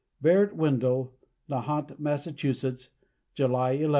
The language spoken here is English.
BARRETT WENDELL. Nahant, Massachusetts, July 11, 1910.